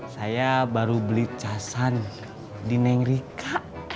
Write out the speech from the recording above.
saya baru beli casan di nengrika